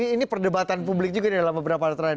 ini perdebatan publik juga dalam beberapa hari terakhir